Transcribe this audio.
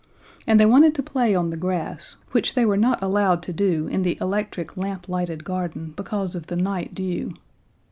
And they wanted to play on the grass, which they were not allowed to do in the electric lamp lighted garden because of the night dew.